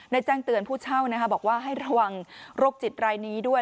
ในแจ้งเตือนผู้เช่าบอกว่าให้ระวังโรครกศิษย์ใบนี้ด้วย